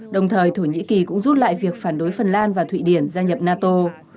đồng thời thổ nhĩ kỳ cũng rút lại việc phản đối phần lan và thụy điển gia nhập nato